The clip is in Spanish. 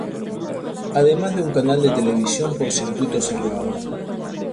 Además de un canal de televisión por circuito cerrado.